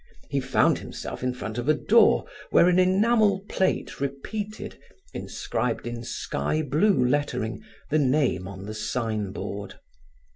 He found himself in front of a door where an enamel plate repeated, inscribed in sky blue lettering, the name on the signboard.